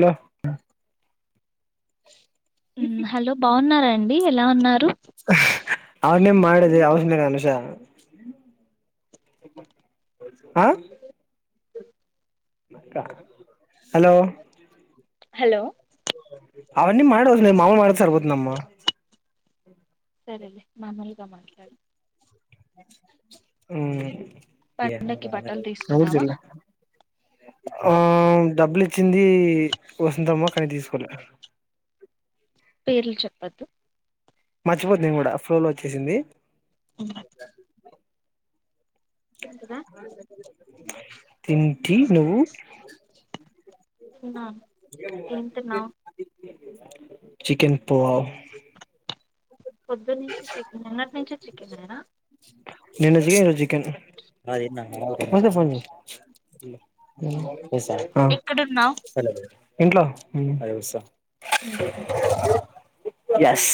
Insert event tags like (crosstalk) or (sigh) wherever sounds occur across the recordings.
Hello hello బాగున్నారాండి ఎలా ఉన్నారు అవన్నీ మాట్లాడకులే అవసరం లేదు అనూష అ హలో హలో అవన్నీ మాట్లాడవచ్చండి మామూలుగా మాట్లాడితే సరిపోతుంది అమ్మ సరే లే మామూలుగా మాట్లాడు హ (unintelligible) పండక్కి బట్టలు తీసుకున్నావా డబ్బులు ఇచ్చింది వస్తుంతమ్మా కానీ తీసుకోలే పేర్లు చెప్పద్దు మర్చిపోతు నేను కూడా ఫ్లోలో వచ్చేసింది తింటివా తిన్టి నువు తిన్న చికెన్ పులావ్ పొద్దు నుంచి చికెన్ నిన్నటి నుంచి చికెన్ నేనా నేన్న తినలే చికెన్ ఆ తిన్న పోతే ఫో (unintelligible) ఈసా ఎక్కడున్నావ్ (unintelligible) ఏంట్లో అసా (inaudible) ఎస్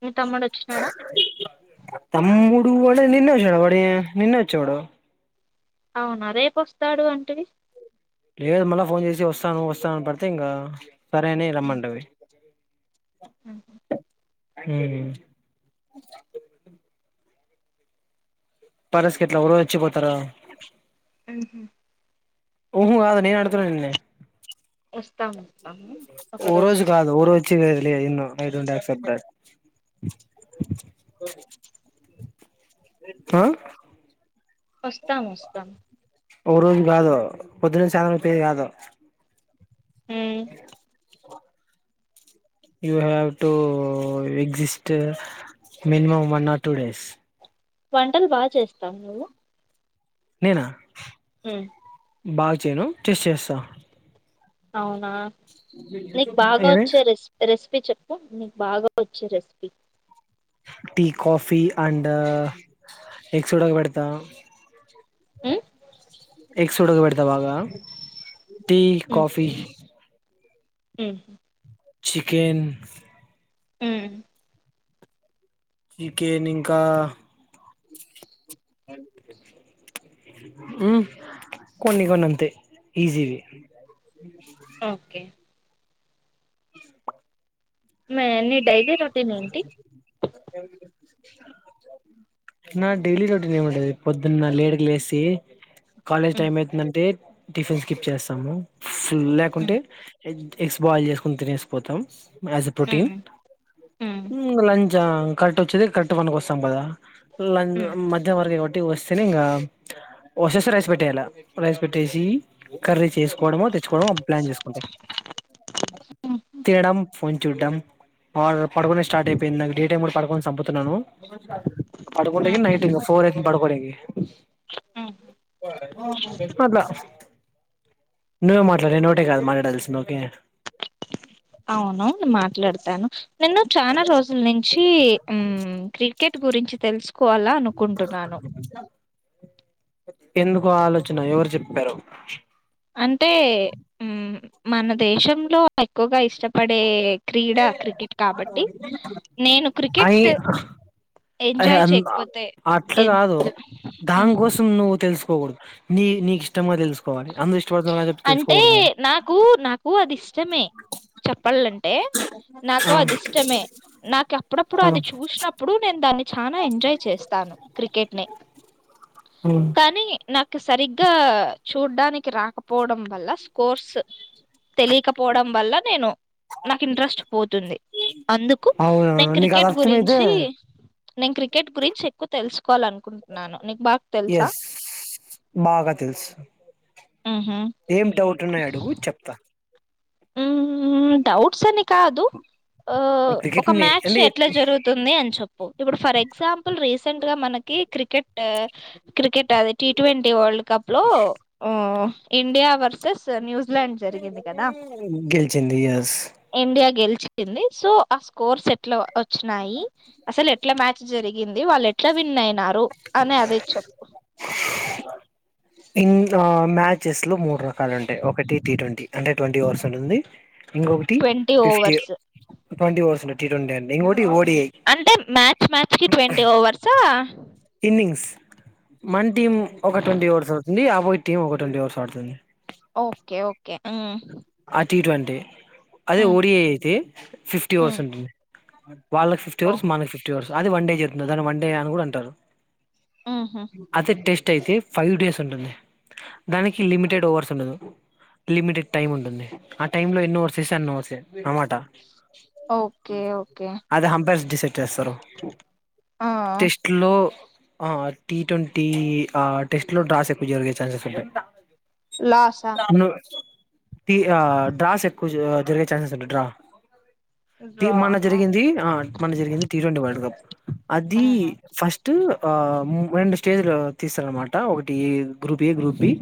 మీ తమ్ముడు వచ్చినాడా వాడ నిన్న వచ్చడ వడ నిన్న వచ్చోడు అవునా రేపుస్తాడు అంటివి. లేదు మళ్ళా ఫోన్ చేసి వస్తాను వస్తాను అని పడితే ఇంకా. సరేని రమ్మంటవి అ అ (unintelligible) పరస్క ఇట్లా ఒరోజు వచ్చిపోతారా. ఊ హా ఊహ అద నేను అడుగుత నిన్న వస్తాము. ఒక ఓ రోజు వస్ కాదు ఓ రోజు తెరు ఏ అయిండు నైట్ ఉండాలి సెప్తారు (unintelligible) హ వస్తాం వస్తాం ఓ రోజు కాదు పొద్దునుంచి సాయంతి కాదు ఊ you have to exist minimum one or two days. వంటలు బాగా చేస్తావు నువ్వు నేనా మ్మ్. బాగా చేయను టెస్ట్ చేస్తా అవునా నీకు బాగా ఏమి వచ్చా రెస్ రెస్ పీ చెప్పు నీకు బాగా వచ్చు recipe tea coffee and eggs ఉడకపెడతాం ఊ ఎగ్స్ ఉడక పెడతా బాగా టీ, కాఫీ ఉ చికెన్ ఊ ఇకే నింకా ఉ కొన్ని కొన్నంతే ఈజీవి ఓకే మె నిడైజీస్ (unintelligible) ఏమి లేవు నా డైలీ రొటీన్ ఏమంటది పొద్దున్న లేడికి లేసి కాలేజ్ హ్మ్ టైమ్ అయితుందంటే టిఫిన్ స్కిప్ చేస్తాము. హ్మ్ లేకుంటే ఎ ఎగ్స్ బాయిల్ చేసుకుని తినేసిపోతాం స్ ప్రోటీన్ హ్మ్ హ్మ్ లంచ్ కరెక్ట్ వచ్చేది కరెక్ట్ వన్కి వస్తాం కదా ల హ్మ్ మధ్యం వర్గ ఒక వస్తేనే ఇంకా వసేస్త రైస్ పెట్టేయాల రైస్ పెట్టేసి కర్రీ చేసుకోవడము తెచ్చుకోవడము ప్లాన్ చేసుకుంటా హుహు తినడం ఫన్ చూటం పాడ పడుకొనే స్టార్ట్ అయిపోయింది నాకు డి టైం కూడా పడుకొని చంపుతున్నాను పదకొండకి ఆహా! నైట్ పోర్ ఎ బడుకడినికి ఆ! అలా నువ్వే మాట్లాడ ఒకటే కాదు మాట్లాడాల్సిన ఓకే అవునువు మాట్లాడతాను నిన్ను చాలా రోజుల నుంచి క్రికెట్ గురించి తెలుసు కోవాల అనుకుంటున్నాను ఎందుకు ఆలోచన ఎవరు చెప్పారు అంటే మన దేశంలో ఎక్కువగా ఇష్టపడే క్రీడా క్రికెట్ కాబట్టి నేను అయి క్రికెట్ అయి ఎంజాయ్ చేయకపోతే అట్లా ఎ కాదు పోడు న తెలుసుకోవాలి అ ఇష్టప అంటే నాకు నాకు అది ఇష్టమే చెప్పాలంటే అే ఆ నాకు అది ఇష్టమే నాకు అప్పుడప్పుడు ఆ అది చూసినప్పుడు నేను దాన్ని చనా ఎంజాయ్ చేస్తాను క్రికెట్ ని కానీ నాకు సరిగ్గా చూడ్డానికి రాక పోవడం వల్ల స్కోర్స్ తెలియకపోవడం వల్ల నేను నాకు ఇంట్రెస్ట్ పోతుంది అందుకు నేను అవునవును నీకు అది క్రికెట్ అర్థమైతే గురించి నేను క్రికెట్ గురించి ఎక్కువ తెలుసుకోవాలనుకుంటున్నాను నీకు బాగా తెలుసా యస్ బాగా తెల్సు ఊహు ఏం డౌట్ ఉన్నాయి అడుగు చెప్తా ఊ ఊ డౌట్స్ అని కాదు ఓ క్రికెట్ ఒక ని మ్యాచ్ అంటే ఎట్లా జరుగుతుంది అని చెప్పు ఇప్పుడు ఫర్ ఎగ్జాంపుల్ రీ సెంట్ గా మనకి క్రికెట్ క్రికెట్ అది టి ట్వంటీ వరల్డ్ కప్ లో హ్ ఇండియా వర్స్ ర్సెస్ న్యూజిలాండ్ జరిగింది. కాదా గెలిచింది. ఎస్ యా గెలిచింది. సో ఆ స్కోర్స్ ఎట్ల వాచ్ చ్చినయి. అసలు ఎట్లా మ్యాచ్ జరిగి గింది. వాళ్ళు ఎట్లా విన్నాయ్ నారు అనే అది చేప్ప ఇన్ ఆ మ్యాచెస్ లో మూడు రకాలు ఉంటాయి. ఒకటి టీ ట్వంటీ అంటే ట్వంటీ ఓవర్స్ ఉంటుంది. ట్వంటీ ఓవర్స్ ట్వంటి ఓవర్స్ ఉంటాయి టి ట్వంటీ అం అంటే మ్యాచ్ మ్యాచ్ కి ట్వంటీ ఓవర్సా ఇన్నింగ్స్ మన టీమ్ ఒక ట్వంటీ ఓవర్స్ అడుతుంది. అపోసిట్ టీం ఒక ట్వంటీ ఓవర్స్ ఆడుతుంది. ఓకే ఓకే హ్ ఆ టి ట్వంటీ అదే ఓడిఐ అయితే ఫిఫ్టీ ఓవర్స్ ఉంటుంది. అ వాళ్లకి ఫిఫ్టీ ఓవర్స్ ఓహో మనకి ఫిఫ్టీ ఓవర్స్ అది వన్ డే జరుగుతుంది. దాని వన్ డే అని కూడా అంటారు. అయితే టెస్ట్ అయితే ఫైవ్ డేస్ ఉంటుంది. దానికి లిమిటెడ్ ఓవర్స్ ఉండదు లిమిటెడ్ టైమ్ ఉం టుంది. ఆ టైం లో ఎన్నీ ఓవర్స్ చేస్తే అన్నీ ఇవే ఓవర్సె అన్నమాట ఓకే ఓకే అది హంపైర్స్ డిసైడ్ చేస్తారు. ఆ టెస్ట్ లో ఆ టీ ట్వంటీ ఆ టెస్ట్ లో డ్రాస్ ఎక్కువ జరిగే ఛాన్సెస్ ఉంటయి. లాస్ ఆ టీ ఆ డ్రాస్ ఎక్కువ జరిగే ఛాన్సెస్ ఉంటాయి. డ్రా టీ డ్రా మొన్న జరిగింది. ఆ మొన్న జరిగింది. టీ ట్వంటీ వరల్డ్ కప్ అది ఫస్ట్ ఆ రెండు స్టేజ్లు తీస్తారన్న మాట ఒకటి group A group B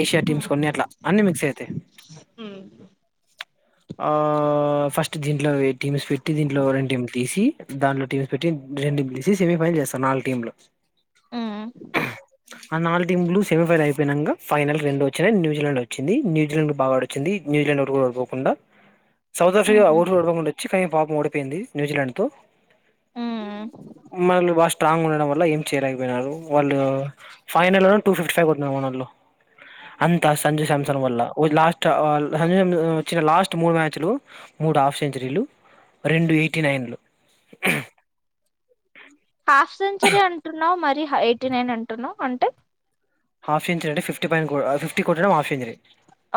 Asia teams కొన్ని అట్ల అన్ని మిక్స్ అయితయి. హు ఆ ఫస్ట్ దీంట్లో వెయిట్ టీమ్స్ పెట్టి దీంట్లో వొరన్ టీమ్ తీసి దానిలో టీమ్స్ పెట్టి డెన్ పిసి సెమీఫైనల్ చేస్తారు ఆల్ టీములో ఆ నాలుగు టీమ్లు సెమీఫైర్ అయిపోయినంక ఫైనల్ రెండు వచ్చినయి. న్యజిలాండ్ వచ్చింది న్యూజిలాండ్ గుడా బా ఆడు వచ్చింది న్యూజిలాండ్ వరకు కూడ పోకుండా సౌదా ఆఫ్రిక ఊవండ వచ్చి పాప్ము ఓడిపోయింది న్యూజిలాండ్ తో మన్లు వాష్ స్ట్రాంగ్ ఉండడం వల్ల ఏం చేయలేకపోయినారు వాళ్ళు ఫైనల్ టూ ఫిఫ్టీ ఫైవ్ కొట్నారు మనోళ్లు అన్ కాదు సంజయ్ సామ్సన్ వల్ళ ఓ లాస్ట్ ట వాల్ హనియందు వచ్చిన లాస్ట్ మూడు మ్యాచ్లు మూడు హాఫ్ సెంచరీలు రెండు ఎయిటీ నైన్లు హాఫ్ సెంచరీ అంటున్నా మరి ఎయిటీ నైన్ అంటున్నా అంటే హాఫ్ంచర అంటే ఫిఫ్ పైన ఫిఫ్టీ కొట్టడం హాఫ్ ఎంచరీ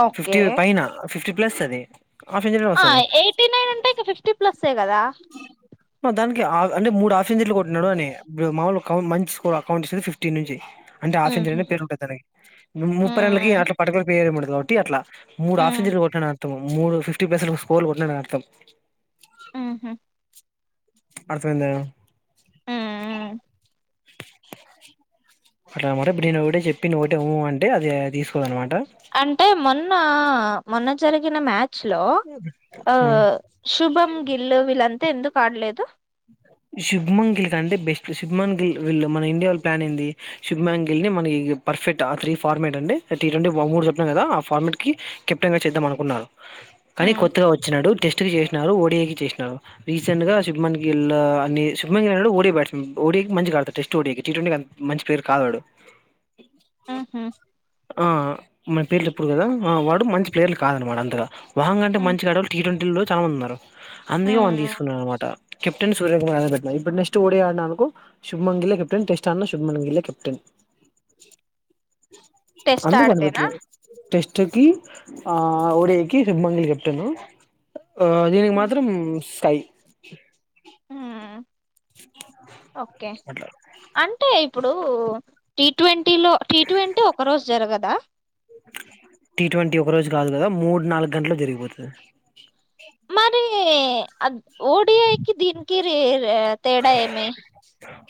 ఓకే ఫిఫ్టీ పైన ఫిఫ్టీ ప్లస్ అది హాఫ్ సెంచరీ ఆ వస్తది ఎయిటీ నైన్ అంటే ఇక ఫిఫ్టీ ప్లస్సే కదా! మొత్తానికి ఆ అంటే ము అట్లెట్ల కొట్టిన్నాడు అని ఇప్పుడు మామూలు కావు మంచి స్కోర్ అకౌంట్ ఇస్తది ఫిఫ్టీన్ నుంచి అంటే ఆఫీన్ ేరుంటాయి తన ముప్పైెలకి అట్లా పటులు పేయరు రోటి అట్లా మూడు హాఫ్ సెంచరీలు కొట్టిన నాను మూడు ఫిఫ్టీ ప్లస్ లా స్కోల్ కొట్టినా నేను అర్థం మ్హా అర్థమైంది ఆ ఉ అట్లా మర నే ఒకటే చెప్పినోటె ఉ అంటే అది ఆ అంటే మొన్న మొన్న జరిగిన స్లో శుభం గిల్లు వీరు అయితే ఎందుకు ఆడలేదు శుభమన్ గిల్ కంటే బెస్ట్ శుభమన్ గిల్ వీల్ళ మన ఇండీయా వాళ్ళ ప్లాన్ ఏంది శుభమంగిల్ ని మనకి పర్ఫెక్ట్ ఆ త్రీ ఫార్మేట్ అంటే టీ ట్వంటీ మూడు చెప్పినం కదా. ఆ ఫార్మేట్ కి కెప్టెన్ గా చేద్దాం అనుకున్నారు. కానీ కొత్తగా వోచ్చినాడు టెస్ట్ స్ట్ కి చేసినారు. ఓ డి ఐ కి చేసినారు రీసెంట్ గా శుభమంగిల్ అన్ని శుభమం గాడు ఓడి బ్యాట్స్మన్ ఓడికి మంచి గా ఆడతాడు టెస్ట్ ఓడికి టీ ట్వంటీకి అంత మంచి ప్లేయర్ కాదు ఆడు ఆ హమ్ ఆ మన పేర్లు చేప్పుడు కదా ఆ వాడు మంచి ప్లేయర్లు కాదు అనమాట అంతగా వాహంగ్ అంటే మంచిగా ఆడోల్ టీ ట్వంటీ ల్లో చాన్ మంది ఉన్నారు అందుకే వానిు తీసుకున్నా అనమాట కెప్టెన్ నీ సూర్యకుమార్ పెట్టినా ఇప్పుడు నెక్స్ట్ ఓడి ఆడిననుకో శుభమన్ గిల్ కెప్టెన్ టెస్ట్ అ శుభమన్ గిల్ ఏ కెప్టెన్ టెస్ట్ అందుకు వాన్ని ఆడదేనా పెట్టలేద్ టెస్ట్ కి ఆ ఓడియకి శుభమంగిల్ కెప్టెను ఆ దీనికి మాత్రం స్ కై అ ఓకే అట్లా అంటే ఇప్పుడు టి ట్వంన్ టీ లో టీ ట్వంటీ ఒక రోజు జరగదా టీ ట్వంటీ ఒక రోజు కాదు కదా మూడు నాలుగు గంటలో జరిగిపోతది మరి ఆగ్ ఓడి ఐకి దీనికి రీ రే తేడా ఏమీ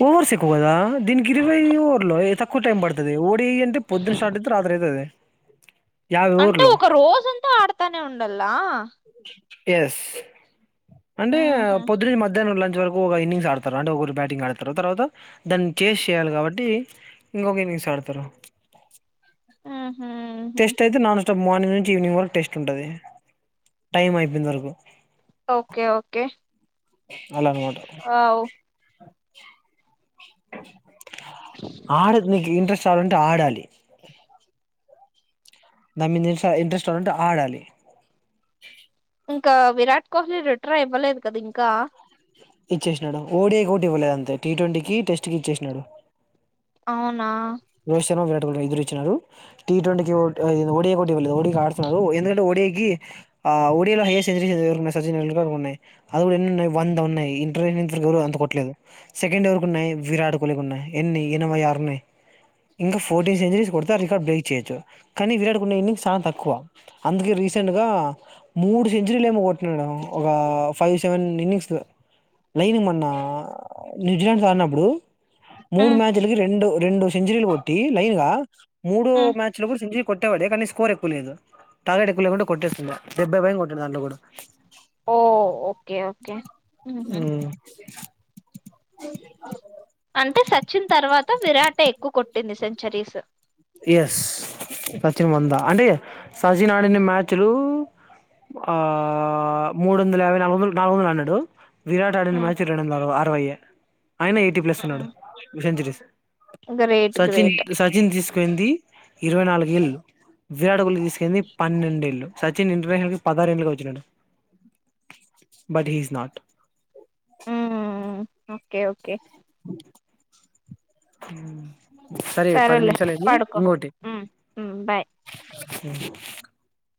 ఓవర్స్ ఎక్కువ గదా దీనికి ఇరవై ఓవర్లు తక్కువ టైం పడుతది ఓడి అంటే పొద్దున్న స్టార్ట్ అయితే రాత్రి అయితది యాభై అంటే ఓవర్లు ఒక రోజంతా ఆడతానే ఉండల్లా ఎస్ అంటే ఉహు పొద్దు నుంచి మధ్యాహ్నం లం టార్ వరకు ఒక ఇన్నింగ్స్ ఆడతారా అంటే ఒకరు బ్యాటింగ్ ఆడతారు తర్వాత దాన్ని చేస్ చేయాలి కాబట్టి ఇంకొక ఇన్నింగ్స్ ఆడతారు ఉహు ఉహు టెస్ట్ అయితే నాన్ స్ త్తం మార్నింగ్ నుంచి ఈవినింగ్ వరకు టెస్ట్ ఉంటది టైం అయిపోయింద వరకు ఓకే ఓకే అలా అనుకుంటరు వావ్ ఆడు నీక్ ఇంట్రెస్ చాలుంటే ఆడాలి దాన్ మీద ఏంస ఇంట్రెస్ట్ ఉంటే ఆడాలి ఇంకా విరాట్ కోహ్లీ రిటర్ అయిపోలేద్ కద ఇంకా ఇచ్చేసినాడ ఓడి ఒకటి ఇవ్వలేదు అంతే టి ట్వంటీ కి టెస్ట్ కి ఇచ్చేసినాడు అవునా రోహిత్ శర్మ విరాట్ కోహిలి ఇద్దరు ఇచ్చినారు టీ ట్వంటీ ఒడియా ఇవ్వలేదు ఒడికి ఆడుతున్నారు ఎందుకంటే ఒడియాకి ఒడియాలో హైయర్ సెంచరీ సచిన్ టెండూల్కర్ కు ఉన్నాయి అది కూడా ఎన్ని ఉన్నాయి వంద ఉన్నాయి ఇ (unintelligible) అంత కొట్టలేదు సెకండ్ ఎవరి ఉన్నాయి విరాట్ కోహ్లీ ఉన్నాయి ఎన్ని ఎనభై ఆరున్నాయి ఇంకా ఫోర్టీన్ సెంచరీస్ కొడితే రికార్డు బ్రేక్ చేయొచ్చు కానీ విరాట్ కోహ్లీ ఇన్నింగ్స్ చాలా తక్కువ అందుకే రీసెంట్ గా మూడు సెంచరీలు ఏమో కొట్టిన్నాడు ఒక ఫైవ్ సెవెన్ ఇన్నింగ్స్ లైనింగ్ మన్న న్యూజిలాండ్ ఆడినప్పుడు మూడు ఉమ్ మ్యాచ్లకి రెండు రెండు సెంచరీలు కొట్టి లైన్ గా మూడు ఉమ్ మ్యాచ్లు కూడా సెంచరీ కొట్టేవాడే కానీ స్కోర్ ఎక్కువ లేదు టార్గెట్ ఎక్కువ లేకుంటె కొట్టేస్తుండే డెబ్బై పై కొంది దాంలో కూడా ఓ ఓకే ఓకే ఉహు (inaudible) అంటే సచిన్ చరీస్ ఎస్ సచిన్ వంద అంటే సచిన్ ఆడిన మ్యాచ్లు ఆ మూడు వందల యాభై నాలుగు వందలు నాలుగు వందలు అనడినాడు విరాట్ అడిన ఉమ్ మచ్ రెండు వందలు అరవయ్య ఆయన ఎయిటీ ప్లస్ ఉన్నాడు ఉమ్ సెంచరీస్ గ్రేట్ సచిన్ ఈ గ్రేట్ ఇప్పుడు సచిన్ తీసు ఏందీ ఇరవై నాలుగు ఏళ్ళు విరాట్ కోహ్లీ తీసుకెలింది పన్నెండేళ్లు సచిన్ ఇంటర్నేషనల్ కి పదహారేండ్లకి వచ్చినాడు but he's not um okay okay (inaudible) సరే పది సరేలే నిమిషాలు అయింది పడుకో ఇంకోటి ఉం ఉం బాయ్ (inaudible)